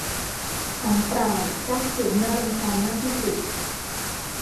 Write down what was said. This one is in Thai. ถังเปล่าสร้างเสียงน่ารำคาญมากที่สุด